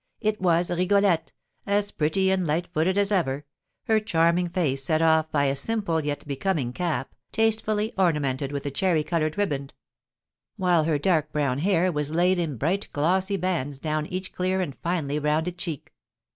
It was Rigolette, as pretty and light footed as ever, her charming face set off by a simple yet becoming cap, tastefully ornamented with cherry coloured riband; while her dark brown hair was laid in bright glossy bands down each clear and finely rounded cheek.